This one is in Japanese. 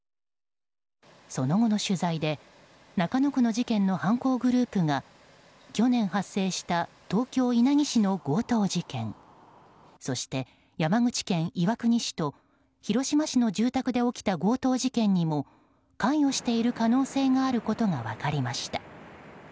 その後の取材で中野区の事件の犯行グループが去年発生した東京・稲城市の強盗事件そして山口県岩国市と広島市の住宅で起きた強盗事件にも関与している可能性があることが分かりました。